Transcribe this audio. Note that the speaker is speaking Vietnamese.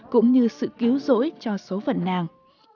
cũng như sự cứu rỗi cho số phận nàng